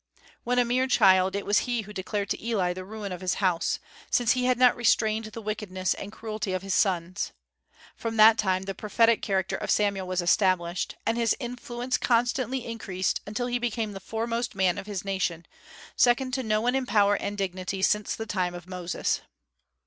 When a mere child, it was he who declared to Eli the ruin of his house, since he had not restrained the wickedness and cruelty of his sons. From that time the prophetic character of Samuel was established, and his influence constantly increased until he became the foremost man of his nation, second to no one in power and dignity since the time of Moses.